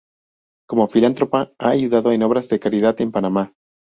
Como filántropa, ha ayudado en obras de caridad en Panamá.